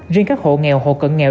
riêng các hộ nghèo hộ cận nghèo